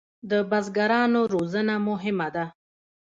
د بزګرانو روزنه مهمه ده